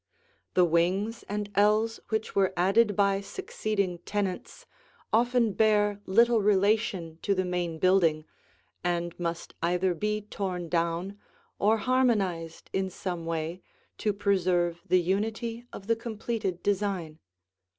The wings and ells which were added by succeeding tenants often bear little relation to the main building and must either be torn down or harmonized in some way to preserve the unity of the completed design.